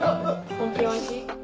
本金おいしい？